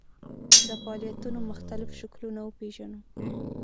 د فعالیتونو مختلف شکلونه وپېژنو.